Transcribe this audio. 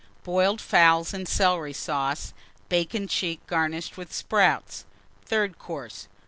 Boiled Fowls and Celery Sauce. Bacon cheek, garnished with Sprouts. THIRD COURSE.